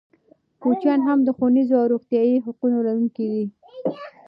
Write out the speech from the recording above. کوچیان هم د ښوونیزو او روغتیايي حقونو لرونکي دي.